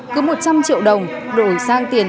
cứ một trăm linh triệu đồng đổi sang tiền